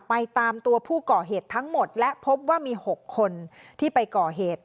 ตามตัวผู้ก่อเหตุทั้งหมดและพบว่ามี๖คนที่ไปก่อเหตุ